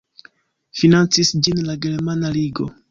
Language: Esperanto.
Financis ĝin la Germana Ligo.